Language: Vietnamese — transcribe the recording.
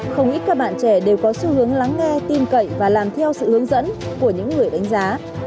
không ít các bạn trẻ đều có xu hướng lắng nghe tin cậy và làm theo sự hướng dẫn của những người đánh giá